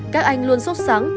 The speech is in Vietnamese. các anh luôn sốt sáng